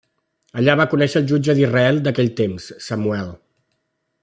Allà va conèixer el jutge d'Israel d'aquell temps, Samuel.